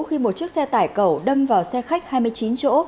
khi một chiếc xe tải cẩu đâm vào xe khách hai mươi chín chỗ